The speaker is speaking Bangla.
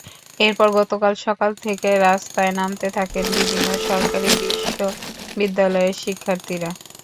এরপর গতকাল সকাল থেকে রাস্তায় নামতে থাকেন বিভিন্ন বেসরকারি বিশ্ববিদ্যালয়ের শিক্ষার্থীরা।